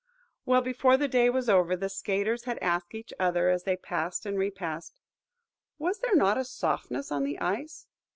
Well, before the day was over, the skaters had asked each other, as they passed and repassed, "Was there not a softness on the ice?"